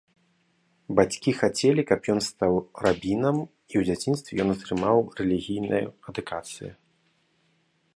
Бацькі хацелі, каб ён стаў рабінам, і ў дзяцінстве ён атрымаў рэлігійнае адукацыю.